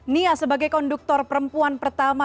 nia sebagai konduktor perempuan pertama